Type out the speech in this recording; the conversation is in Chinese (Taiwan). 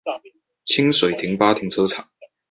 清水停八停車場